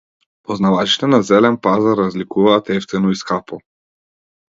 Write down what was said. Познавачите на зелен пазар разликуваат евтино и скапо.